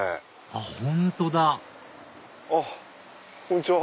あっ本当だこんにちは。